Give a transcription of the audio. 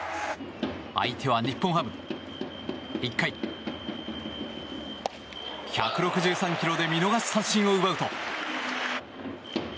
相手は日本ハム。１回、１６３ｋｍで見逃し三振を奪うと。